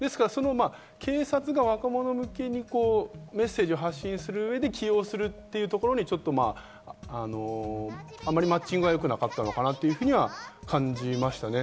警察が若者向けにメッセージを発信する上に起用するというところで、あまりマッチングがよくなかったのかなと感じましたね。